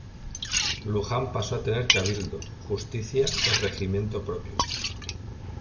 Luján pasó a tener Cabildo, Justicia y Regimiento propio.